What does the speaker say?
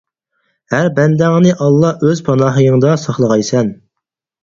ھەر بەندەڭنى ئاللا ئۆز پاناھىڭدا ساقلىغايسەن!